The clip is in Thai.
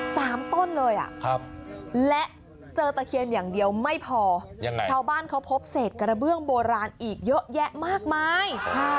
ต้นเลยอ่ะครับและเจอตะเคียนอย่างเดียวไม่พอยังไงชาวบ้านเขาพบเศษกระเบื้องโบราณอีกเยอะแยะมากมาย